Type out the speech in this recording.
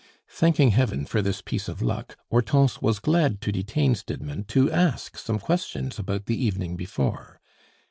Thanking Heaven for this piece of luck, Hortense was glad to detain Stidmann to ask some questions about the evening before.